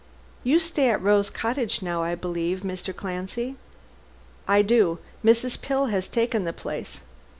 You stay at Rose Cottage now, I believe, Mr. Clancy?" "I do. Mrs. Pill has taken the place.